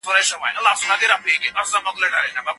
زه د خپل هېواد د روښانه راتلونکي لپاره سخت زیار باسم.